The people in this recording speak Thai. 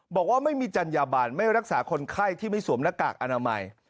บอกว่าไม่มีจัญญาบันไม่รักษาคนไข้ที่ไม่สวมหน้ากากอนามัย